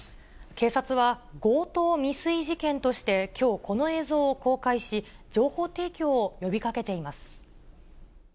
警察は、強盗未遂事件としてきょう、この映像を公開し、情報提供を呼びかけています。